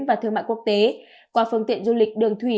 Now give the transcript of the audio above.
và thương mại quốc tế qua phương tiện du lịch đường thủy